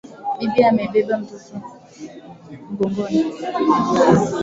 Bibi amebeba mtoto mgongoni.